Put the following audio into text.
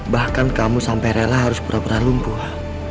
bahkan kamu sampai rela harus pura pura lumpuh